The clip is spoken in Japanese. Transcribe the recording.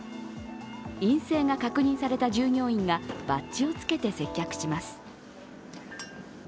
陰性が確認された従業員がバッジをつけて接客します。